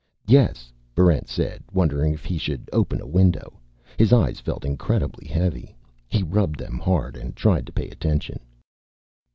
"Yes," Barrent said, wondering if he should open a window. His eyes felt incredibly heavy. He rubbed them hard and tried to pay attention.